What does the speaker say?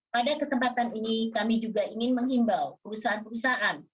pada kesempatan ini kami juga ingin menghimbau perusahaan perusahaan